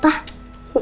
pasti kangen dong